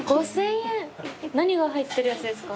何が入ってるやつですか？